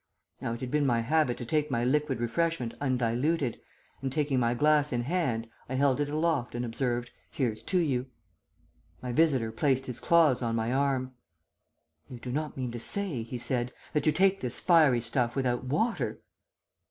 Now it had been my habit to take my liquid refreshment undiluted, and taking my glass in hand I held it aloft and observed, 'Here's to you.' "My visitor placed his claws on my arm. "'You do not mean to say,' he said, 'that you take this fiery stuff without water?'